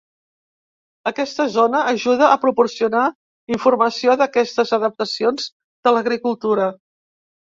Aquesta zona ajuda a proporcionar informació d'aquestes adaptacions de l'agricultura.